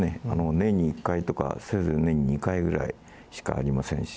年に１回とか、せいぜい年に２回ぐらいしかありませんし。